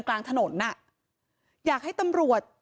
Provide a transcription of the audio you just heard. เหตุการณ์เกิดขึ้นแถวคลองแปดลำลูกกา